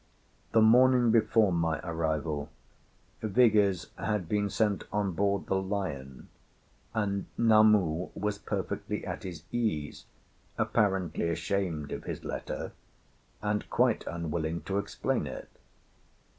The morning before my arrival, Vigours had been sent on board the Lion, and Namu was perfectly at his ease, apparently ashamed of his letter, and quite unwilling to explain it.